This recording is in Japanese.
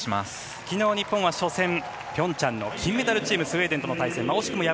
昨日、日本は初戦ピョンチャンの金メダルチームスウェーデンとの対戦でした。